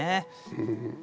うん。